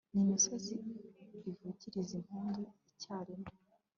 n'imisozi ivugirize impundu icyarimwe